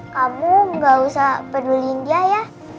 kamu gak usah pedulin dia ya